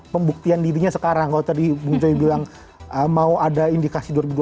pembuktian dirinya sekarang kalau tadi bung joy bilang mau ada indikasi dua ribu dua puluh